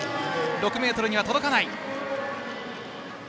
６ｍには届かない。